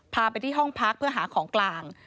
พาไปที่ห้องพักเพื่อหาของกลาง